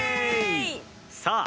さあ